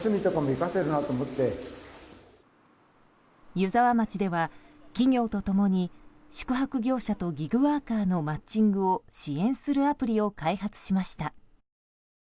湯沢町では企業と共に宿泊業者とギグワーカーのマッチングを支援するアプリを開発しました。